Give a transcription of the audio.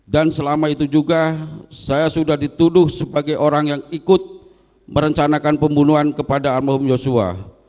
dan selama itu juga saya sudah dituduh sebagai orang yang ikut merencanakan pembunuhan kepada al mahum yosua